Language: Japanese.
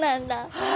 はい！